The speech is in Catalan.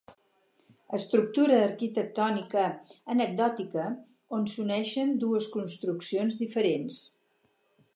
Estructura arquitectònica anecdòtica on s'uneixen dues construccions diferents.